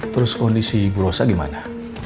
terus kondisi bu rosa gimana